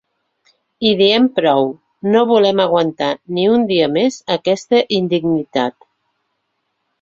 I diem prou, no volem aguantar ni un dia més aquesta indignitat.